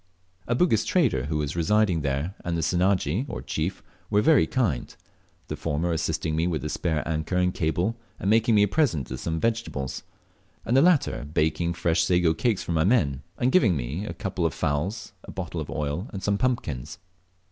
A Bugis trader who was residing there, and the Senaji, or chief, were very kind; the former assisting me with a spare anchor and a cable, and making me a present of some vegetables, and the latter baking fresh sago cakes for my men; and giving rue a couple of fowls, a bottle of oil, and some pumpkins.